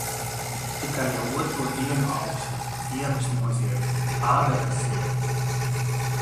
Tikai jau otro dienu auksti. Ievas nozied. Ābeles zied.